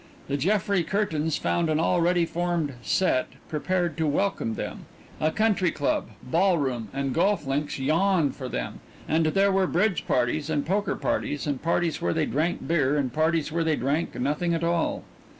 The Jeffrey Curtains found an already formed "set" prepared to welcome them; a country club, ballroom, and golf links yawned for them, and there were bridge parties, and poker parties, and parties where they drank beer, and parties where they drank nothing at all.